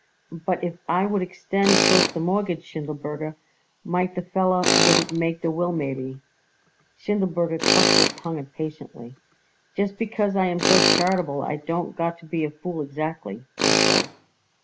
"But if I would extend first the mortgage, Schindelberger, might the feller wouldn't make the will maybe." Schindelberger clucked his tongue impatiently. "Just because I am so charitable I don't got to be a fool exactly," he said.